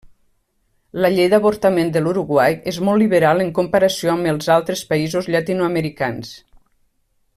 La llei d'avortament de l'Uruguai és molt liberal en comparació amb els altres països llatinoamericans.